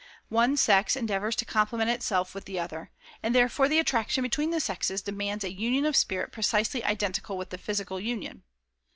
The one sex endeavors to complement itself with the other, and therefore the attraction between the sexes demands a union of spirit precisely identical with the physical union.